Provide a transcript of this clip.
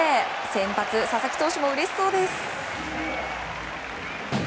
先発、佐々木投手もうれしそうです。